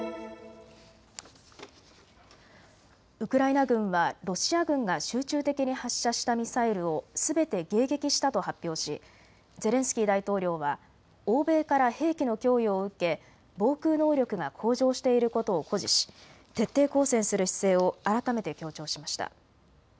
ウクライナ軍はロシア軍が集中的に発射したミサイルをすべて迎撃したと発表しゼレンスキー大統領は欧米から兵器の供与を受け防空能力が向上していることを誇示し徹底抗戦する姿勢を改めて強調しました。